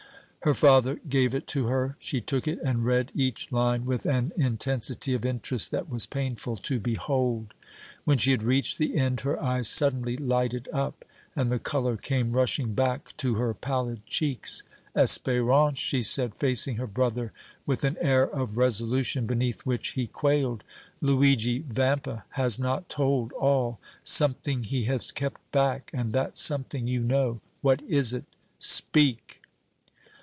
Her father gave it to her. She took it and read each line with an intensity of interest that was painful to behold. When she had reached the end, her eyes suddenly lighted up and the color came rushing back to her pallid cheeks. "Espérance," she said, facing her brother with an air of resolution beneath which he quailed, "Luigi Vampa has not told all! Something he has kept back, and that something you know. What is it? Speak!"